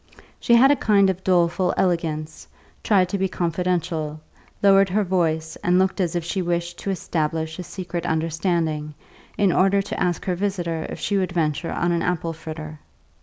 She had a kind of doleful elegance, tried to be confidential, lowered her voice and looked as if she wished to establish a secret understanding, in order to ask her visitor if she would venture on an apple fritter.